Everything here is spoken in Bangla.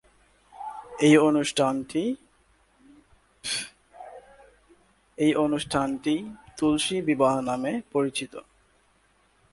এই অনুষ্ঠানটি তুলসী বিবাহ নামে পরিচিত।